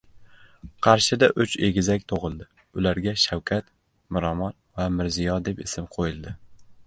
Qarshida uch egizak tug‘ildi. Ularga Shavkat, Miromon va Mirziyo deb ism qo‘yildi